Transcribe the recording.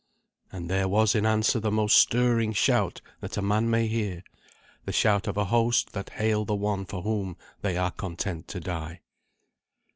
And there was in answer the most stirring shout that a man may hear the shout of a host that hail the one for whom they are content to die.